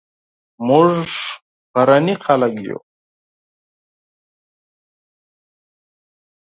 موږ غرني خلک یو